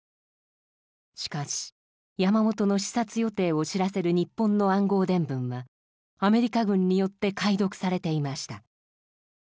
しかし山本の視察予定を知らせる日本の暗号電文はアメリカ軍によって解読されていました。